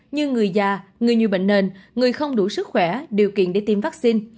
như người già người như bệnh nền người không đủ sức khỏe điều kiện để tiêm vaccine